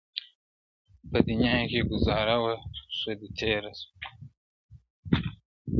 په دې دنيا کي ګوزاره وه ښه دى تېره سوله.